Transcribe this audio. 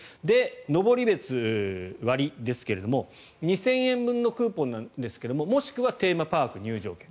のぼりべつ割ですが２０００円分のクーポンですがもしくはテーマパーク入場券。